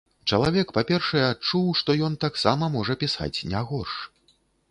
Чалавек, па-першае, адчуў, што ён таксама можа пісаць не горш.